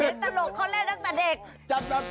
เห็นสลบเขาเล่นด้านสักเด็ก